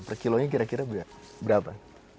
per kilonya kira kira berapa